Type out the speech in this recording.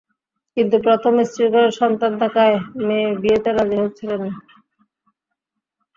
কিন্তু প্রথম স্ত্রীর ঘরে সন্তান থাকায় মেয়ে বিয়েতে রাজি হচ্ছিলেন না।